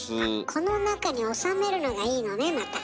あっこの中に収めるのがいいのねまた。